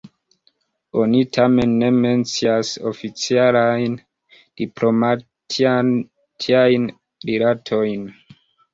Oni tamen ne mencias oficialajn diplomatiajn rilatojn.